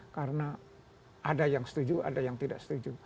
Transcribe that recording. karena ada yang setuju ada yang tidak setuju